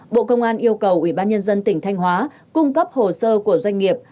bộ công an yêu cầu ủy ban nhân dân tỉnh thanh hóa cung cấp hồ sơ của doanh nghiệp